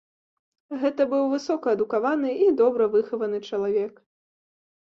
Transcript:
Гэта быў высокаадукаваны і добра выхаваны чалавек.